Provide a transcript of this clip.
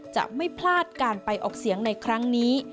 จะไม่พลาดการไปออกเสียงในครั้งนี้